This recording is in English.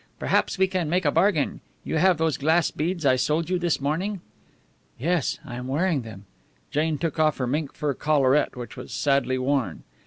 "Perhaps we can make a bargain. You have those glass beads I sold you this morning?" "Yes, I am wearing them." Jane took off her mink fur collaret, which was sadly worn.